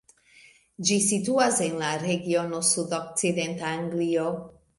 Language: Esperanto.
Ĝi situas en la regiono sudokcidenta Anglio.